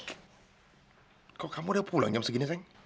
kok kamu udah pulang jam segini sayang